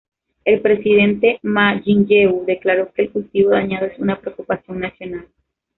El presidente Ma Ying-jeou declaró que el cultivo dañado es una preocupación nacional.